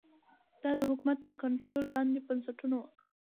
دا د حکومت تر کنټرول لاندې بنسټونه وو